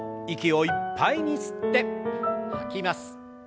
息をいっぱいに吸って吐きます。